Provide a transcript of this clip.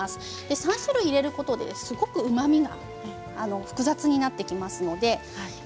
３種類入れることでうまみが複雑になってきます。